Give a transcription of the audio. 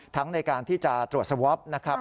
ทั้งในการที่จะตรวจสวบนะครับ